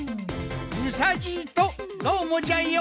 うさじいとどーもじゃよ。